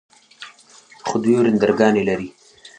خو دوې ورندرګانې لري.